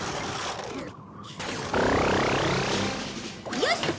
よし！